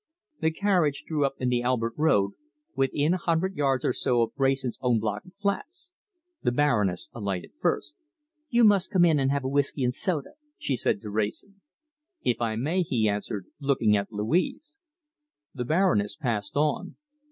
The carriage drew up in the Albert Road, within a hundred yards or so of Wrayson's own block of flats. The Baroness alighted first. "You must come in and have a whisky and soda," she said to Wrayson. "If I may," he answered, looking at Louise. The Baroness passed on.